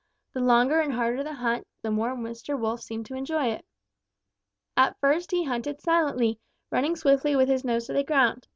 The longer and harder the hunt, the more Mr. Wolf seemed to enjoy it. "At first he hunted silently, running swiftly with his nose to the ground.